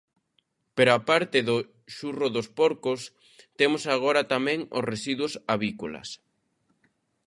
Pero á parte do xurro dos porcos, temos agora tamén os residuos avícolas.